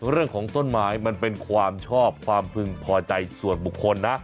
เรื่องของต้นไม้มันเป็นความชอบความพึงพอใจส่วนบุคคลนะ